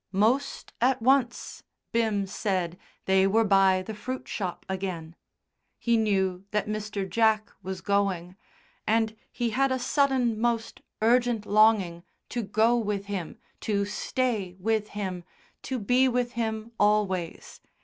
"Most at once," Bim said they were by the fruit shop again; he knew that Mr. Jack was going, and he had a sudden most urgent longing to go with him, to stay with him, to be with him always.